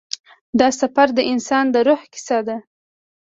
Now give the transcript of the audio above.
دا سفر د انسان د روح کیسه ده.